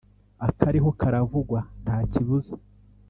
akariho karavugwa nta kibuza